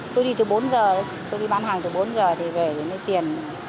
tôi đi từ bốn giờ tôi đi bán hàng từ bốn giờ thì về lấy tiền